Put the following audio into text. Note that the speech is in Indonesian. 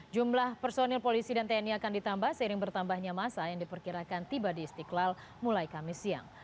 jumlah personil polisi dan tni akan ditambah seiring bertambahnya masa yang diperkirakan tiba di istiqlal mulai kamis siang